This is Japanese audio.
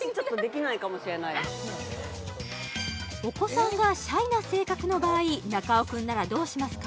それお子さんがシャイな性格の場合中尾君ならどうしますか？